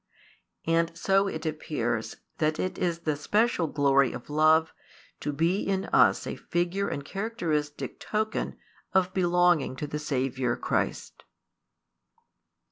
And so it appears that it is the special glory of love to be in us a figure and characteristic token of belonging to the Saviour Christ.